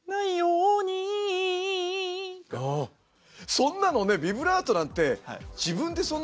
そんなのねビブラートなんて自分でそんな。